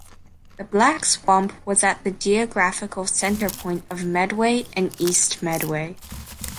The Black Swamp was at the geographical center point of Medway and East Medway.